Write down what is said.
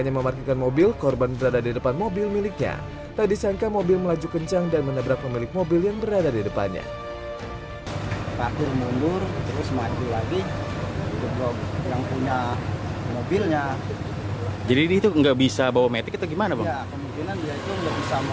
ya kemungkinan dia itu nggak bisa bawa metik tadinya manual